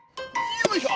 よいしょ！